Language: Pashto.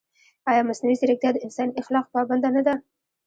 ایا مصنوعي ځیرکتیا د انساني اخلاقو پابنده نه ده؟